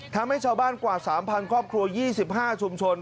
ทำให้ชาวบ้านกว่า๓๐๐ครอบครัว๒๕ชุมชน